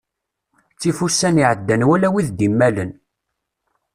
Ttif ussan iɛeddan wala wid d-immalen.